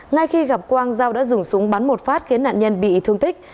ngay khi gặp quang giao đã dùng súng bắn một phát khiến nạn nhân bị thương tích